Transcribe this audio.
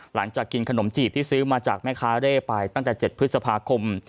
หลังจากกินขนมจีบที่ซื้อมาจากแม่ค้าเร่ไปตั้งแต่๗พฤษภาคม